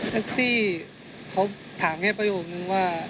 แท็กซี่เขาถามแค่ประโยคนึงว่า